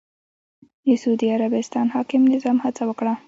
د سعودي عربستان حاکم نظام هڅه وکړه